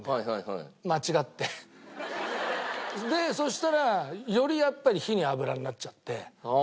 でそしたらよりやっぱり火に油になっちゃって。